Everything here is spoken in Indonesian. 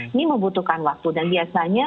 ini membutuhkan waktu dan biasanya